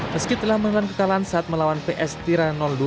meski telah menelan kekalahan saat melawan ps tira dua